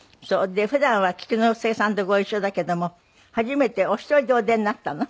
で普段は菊之助さんとご一緒だけども初めてお一人でお出になったの？